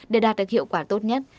để đạt được hiệu quả tốt nhất